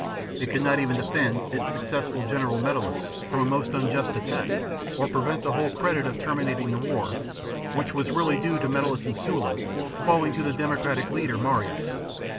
It could not even de fend its successful general, Metellus, from a most unjust attack, or prevent the whole credit of terminat ing the war, which was really due to Metellus and Sulla, falling to the democratic leader, Marius.